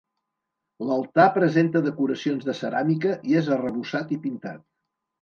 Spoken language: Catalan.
L'altar presenta decoracions de ceràmica i és arrebossat i pintat.